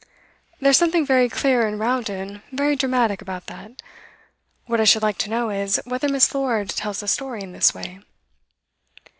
There's something very clear and rounded, very dramatic, about that. What I should like to know is, whether Miss. Lord tells the story in this way.